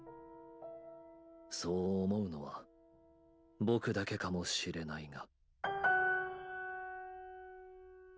そう思うのはぼくだけかもしれないが。